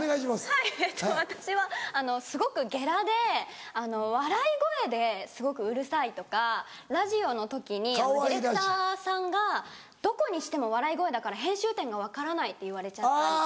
はい私はすごくゲラで笑い声ですごくうるさいとかラジオの時にディレクターさんがどこにしても笑い声だから編集点が分からないって言われちゃったりとか。